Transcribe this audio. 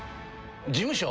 事務所？